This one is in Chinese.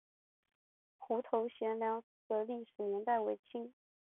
湖头贤良祠的历史年代为清。